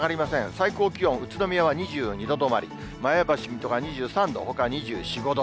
最高気温、宇都宮は２２度止まり、前橋、水戸が２３度、ほか２４、５度。